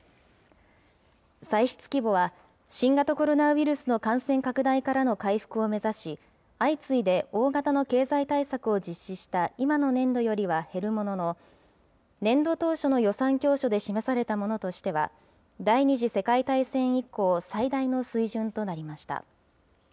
歳出規模は新型コロナウイルスの感染拡大からの回復を目指し、相次いで大型の経済対策を実施した今の年度よりは減るものの、年度当初の予算教書で示されたものとしては、第２次世界大戦以降、最大の水準となりました。